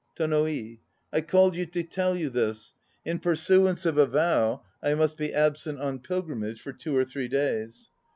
TONO I. I called you to tell you this: in pursuance of a vow I must be absent on pilgrimage for two or three days.